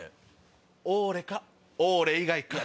おれかおれ以外か。